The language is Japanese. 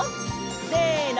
せの！